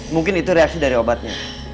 mungkin itu reaksi dari obatnya